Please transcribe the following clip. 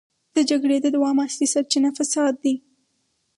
د جګړې د دوام اصلي سرچينه فساد دی.